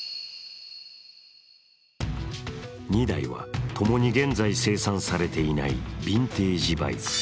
２台は共に現在、生産されていないビンテージバイク。